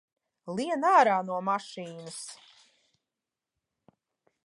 Lien ārā no mašīnas!